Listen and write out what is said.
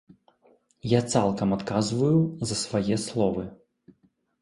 Я цалкам адказваю за свае словы.